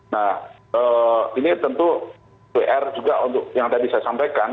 nah ini tentu pr juga untuk yang tadi saya sampaikan